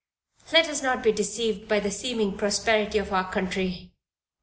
Let us not be deceived by the seeming prosperity of our country.